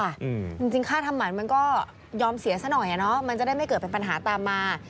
จริงจริงค่าทำหมันมันก็ยอมเสียซะหน่อยอ่ะเนอะมันจะได้ไม่เกิดเป็นปัญหาตามมา